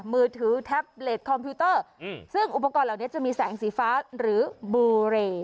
มือถือแท็บเล็ตคอมพิวเตอร์ซึ่งอุปกรณ์เหล่านี้จะมีแสงสีฟ้าหรือโบเร